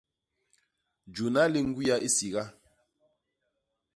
Juna li ñgwiya i siga.